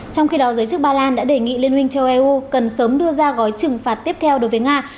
trong khi đó giới chức ba lan đã đề nghị liên minh châu âu cần sớm đưa ra gói trừng phạt tiếp theo đối với nga